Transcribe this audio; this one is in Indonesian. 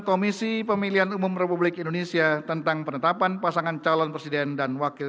komisi pemilihan umum republik indonesia tentang penetapan pasangan calon presiden dan wakil